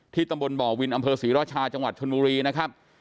ตำบลบ่อวินอำเภอศรีราชาจังหวัดชนบุรีนะครับ